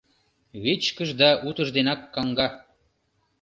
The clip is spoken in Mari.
Вичкыж да утыжденак каҥга.